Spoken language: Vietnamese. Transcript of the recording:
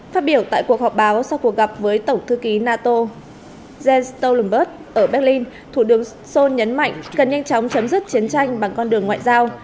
phát biểu tại cuộc họp báo sau cuộc gặp với tổng thư ký nato jens stolt ở berlin thủ tướng sol nhấn mạnh cần nhanh chóng chấm dứt chiến tranh bằng con đường ngoại giao